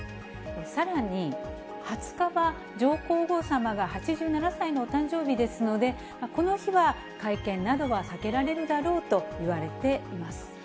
さらに２０日は、上皇后さまが８７歳のお誕生日ですので、この日は会見などは避けられるだろうといわれています。